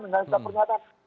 dengan setiap pernyataan